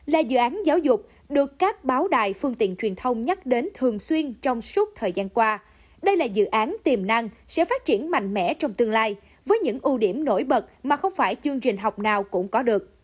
là dự án giáo dục được các báo đài phương tiện truyền thông nhắc đến thường xuyên trong suốt thời gian qua đây là dự án tiềm năng sẽ phát triển mạnh mẽ trong tương lai với những ưu điểm nổi bật mà không phải chương trình học nào cũng có được